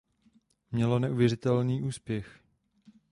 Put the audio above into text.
Mělo neuvěřitelný úspěch.